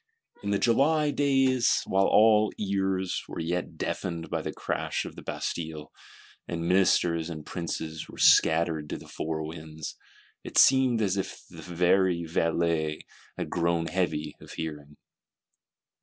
In the July days, while all ears were yet deafened by the crash of the Bastille, and Ministers and Princes were scattered to the four winds, it seemed as if the very Valets had grown heavy of hearing.